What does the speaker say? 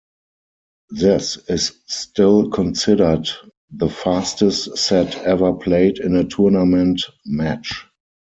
This is still considered the fastest set ever played in a tournament match.